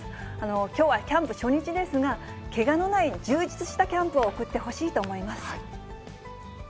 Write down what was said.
きょうはキャンプ初日ですが、けがのない、充実したキャンプを送ってほしいと思います。